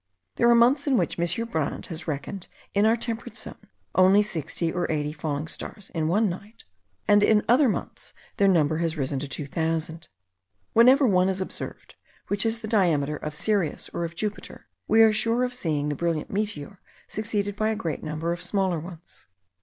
There are months in which M. Brandes has reckoned in our temperate zone only sixty or eighty falling stars in one night; and in other months their number has risen to two thousand. Whenever one is observed, which has the diameter of Sirius or of Jupiter, we are sure of seeing the brilliant meteor succeeded by a great number of smaller ones.